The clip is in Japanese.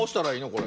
これ。